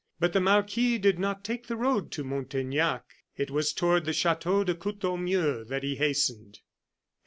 But the marquis did not take the road to Montaignac. It was toward the Chateau de Courtornieu that he hastened.